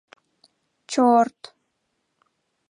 — Чор-рт!